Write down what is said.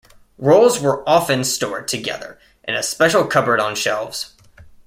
Rolls were often stored together in a special cupboard on shelves.